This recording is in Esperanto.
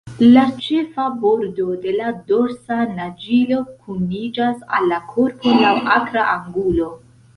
La ĉefa bordo de la dorsa naĝilo kuniĝas al la korpo laŭ akra angulo.